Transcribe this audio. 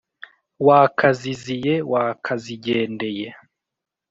wakaziziye, wakazigendeye,